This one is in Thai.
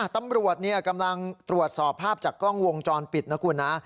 ตำรวจกำลังตรวจสอบภาพจากกล้องวงจรปิดนะคุณนะ